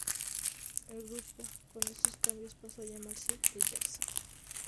El grupo, con estos cambios, pasó a llamarse The Jacksons.